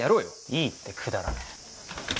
いいってくだらねえ。